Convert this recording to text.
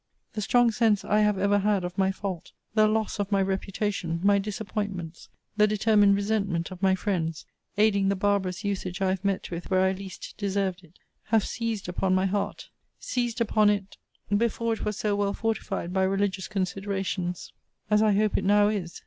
The strong sense I have ever had of my fault, the loss of my reputation, my disappointments, the determined resentment of my friends, aiding the barbarous usage I have met with where I least deserved it, have seized upon my heart: seized upon it, before it was so well fortified by religious considerations as I hope it now is.